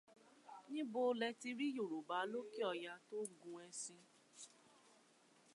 Níbo lẹ ti rí Yorùbá lókè ọya tó ń gun ẹṣin?